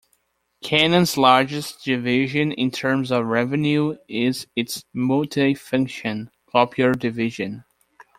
Canon's largest division in terms of revenue is its multifunction copier division.